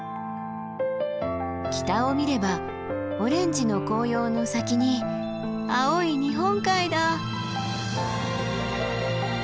北を見ればオレンジの紅葉の先に青い日本海だ！